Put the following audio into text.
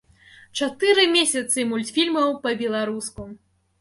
Чатыры месяцы мультфільмаў па-беларуску!